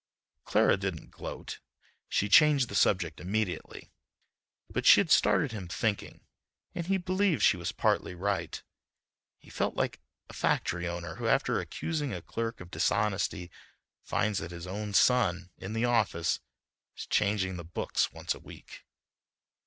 Clara didn't gloat. She changed the subject immediately. But she had started him thinking and he believed she was partly right. He felt like a factory owner who after accusing a clerk of dishonesty finds that his own son, in the office, is changing the books once a week.